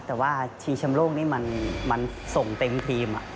แต่ว่าชิงชำโลกนี่มันส่งเต็มทีม